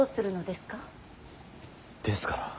ですから。